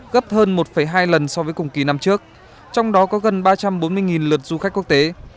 gấp hơn một hai lần so với cùng kỳ năm trước trong đó có gần ba trăm bốn mươi lượt du khách quốc tế